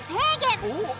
おっ！